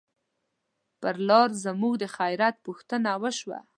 پر لار زموږ د خیریت پوښتنه وشوه.